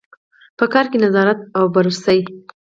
په کار کې نظارت او بررسي.